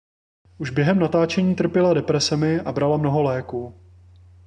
Už během natáčení trpěla depresemi a brala mnoho léků.